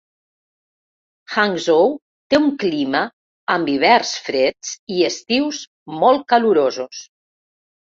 Hangzhou té un clima amb hiverns freds i estius molt calorosos.